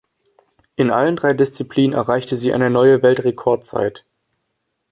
In allen drei Disziplinen erreichte sie eine neue Weltrekordzeit.